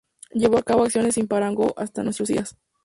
Llevó a cabo acciones sin parangón hasta nuestros días.